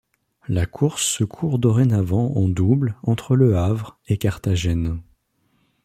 La course se court dorénavant en double entre Le Havre et Carthagène.